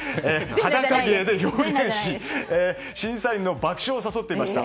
裸芸で表現し審査員の爆笑を誘っていました。